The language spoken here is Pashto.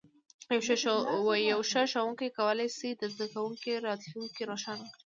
یو ښه ښوونکی کولی شي د زده کوونکي راتلونکی روښانه کړي.